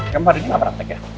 kempar ini gak praktek ya